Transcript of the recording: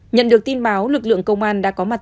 nhận được tin báo lực lượng công an đã có mặt